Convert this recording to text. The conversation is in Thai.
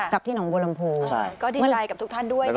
กับที่น้องบูรรณภูก็ดีใจกับทุกท่านด้วยนะครับ